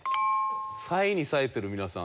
さえにさえてる皆さん。